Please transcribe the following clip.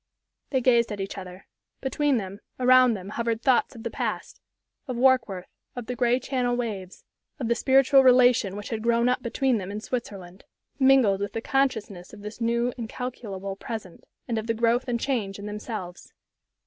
They gazed at each other. Between them, around them hovered thoughts of the past of Warkworth, of the gray Channel waves, of the spiritual relation which had grown up between them in Switzerland, mingled with the consciousness of this new, incalculable present, and of the growth and change in themselves.